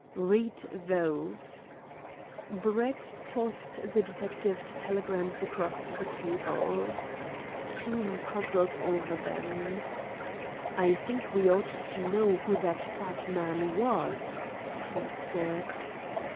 "Read those." Brett tossed the detective's telegrams across the table. Hume puzzled over them. "I think we ought to know who that fat man was," he said.